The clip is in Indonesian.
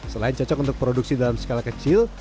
selain cocok untuk produksi dalam skala kecil